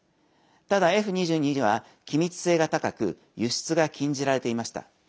ただ、Ｆ２２は機密性が高く輸出が禁じられていました。